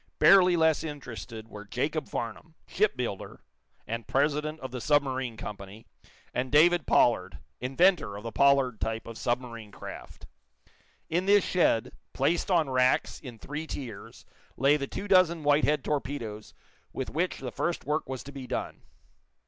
Barely less interested were Jacob Farnum, shipbuilder, and president of the submarine company, and David Pollard, inventor of the Pollard type of submarine craft. In this shed, placed on racks in three tiers, lay the two dozen Whitehead torpedoes with which the first work was to be done.